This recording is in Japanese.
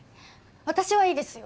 私はいいですよ